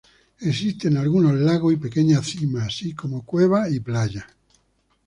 Existen algunos lagos y pequeñas cimas así como cuevas y playas.